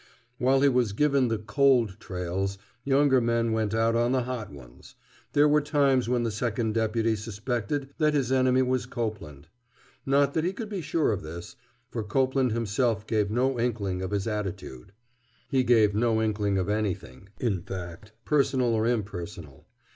While he was given the "cold" trails, younger men went out on the "hot" ones. There were times when the Second Deputy suspected that his enemy was Copeland. Not that he could be sure of this, for Copeland himself gave no inkling of his attitude. He gave no inkling of anything, in fact, personal or impersonal.